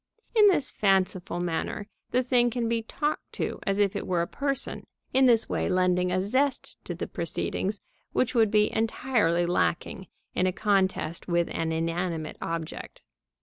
In this fanciful manner the thing can be talked to as if it were a person, in this way lending a zest to the proceedings which would be entirely lacking in a contest with an inanimate object.